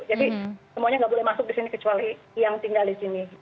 jadi semuanya nggak boleh masuk di sini kecuali yang tinggal di sini